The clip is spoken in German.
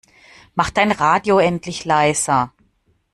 Mach dein Radio endlich leiser!